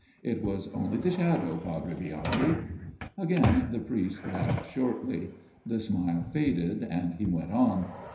" It was only the shadow, Padre Bianchi." Again the priest laughed shortly ; the smile faded, and he went on.